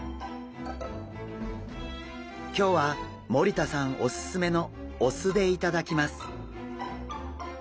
今日は森田さんオススメのお酢で頂きます。